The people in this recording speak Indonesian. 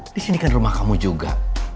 disini kan rumah kamu juga